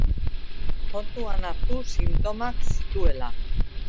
Kontuan hartu sintomak zituela.